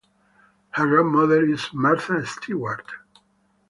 Her godmother is Martha Stewart.